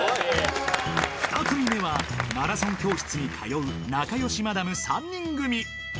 ２組目はマラソン教室に通う仲よしマダム３人組。